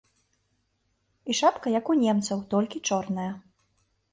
І шапка як у немцаў, толькі чорная.